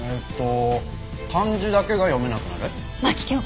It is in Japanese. ええと漢字だけが読めなくなる？